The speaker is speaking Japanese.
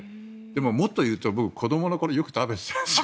でも、もっと言うと子どもの頃よく食べてたんです。